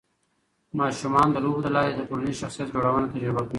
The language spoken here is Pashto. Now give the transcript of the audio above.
ماشومان د لوبو له لارې د ټولنیز شخصیت جوړونه تجربه کوي.